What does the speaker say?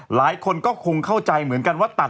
หลายคนก็คงเข้าใจเหมือนกันว่าตัด